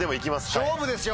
勝負ですよ。